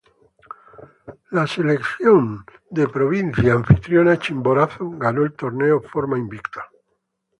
La selección de la provincia anfitriona, Chimborazo, ganó el torneo forma invicta.